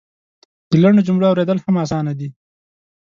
د لنډو جملو اورېدل هم اسانه دی.